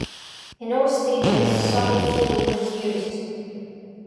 In all stages solid fuel was used.